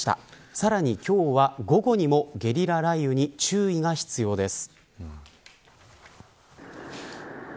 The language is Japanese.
さらに今日は午後にもゲリラ雷雨に注意が必要です。